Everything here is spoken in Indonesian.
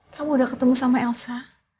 kamu udah ketemu sama elsa